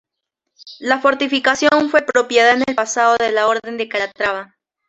La fortificación fue propiedad en el pasado de la Orden de Calatrava.